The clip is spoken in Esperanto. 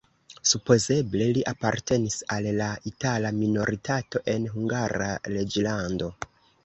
Supozeble li apartenis al la itala minoritato en Hungara reĝlando.